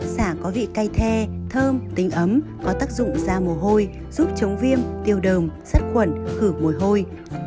sả có vị cay the thơm tính ấm có tác dụng ra mồ hôi giúp chống viêm tiêu đồng sắt khuẩn khử mồi hôi